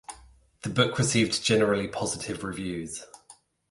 The book received generally positive reviews.